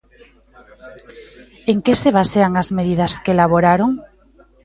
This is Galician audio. En que se basean as medidas que elaboraron?